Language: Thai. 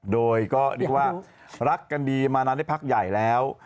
โดยก็รักกันดีมาแน่ในพลักใหญ่แล้ว